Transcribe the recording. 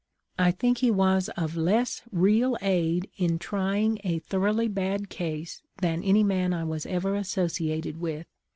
I think he was of less real aid in trying a thoroughly bad case than any man I was ever associated with.